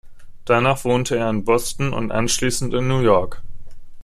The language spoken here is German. Danach wohnte er in Boston und anschließend in New York.